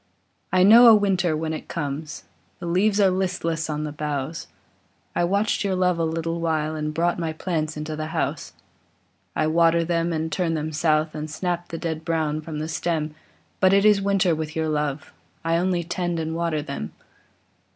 I know a winter when it comes: The leaves are listless on the boughs; I watched your love a little while, And brought my plants into the house. I water them and turn them south, I snap the dead brown from the stem; But it is winter with your love, I only tend and water them.